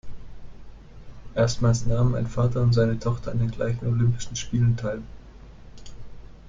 Erstmals nahmen ein Vater und seine Tochter an den gleichen Olympischen Spielen teil.